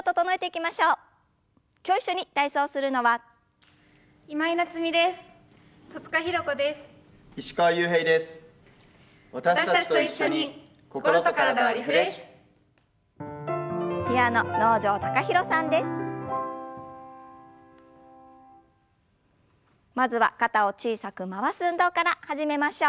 まずは肩を小さく回す運動から始めましょう。